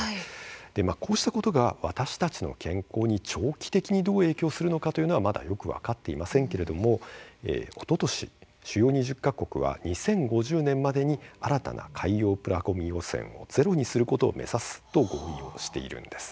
こうしたことは私たちの健康に長期的にどう影響するのかまだよく分かっていませんがおととし、主要２０か国は２０５０年までに新たな海洋プラごみ汚染をゼロにすることを目指すと合意しています。